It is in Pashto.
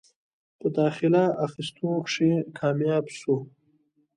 پۀ داخله اخستو کښې کامياب شو ۔